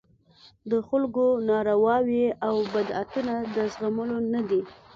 د خلکو نارواوې او بدعتونه د زغملو نه وو.